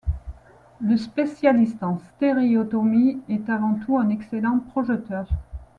Le spécialiste en stéréotomie est avant tout un excellent projeteur.